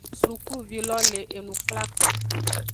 Sukluvi lo le enu kplako.